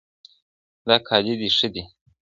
دا کالي دي ښه دي.